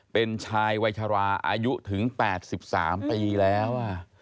เป็นชายวัยชราอายุถึง๘๓ปีแล้ว